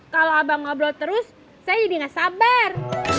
kalau abang ngobrol terus saya jadi gak sabar